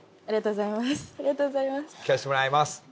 ありがとうございます。